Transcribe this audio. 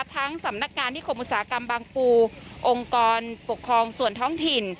สำนักงานนิคมอุตสาหกรรมบางปูองค์กรปกครองส่วนท้องถิ่น